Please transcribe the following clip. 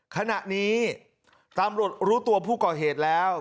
ขณะนี้ตำรวจรู้ตัวผู้ก่อเหตุแล้ว